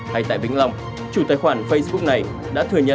hay tại vĩnh long chủ tài khoản facebook này đã thừa nhận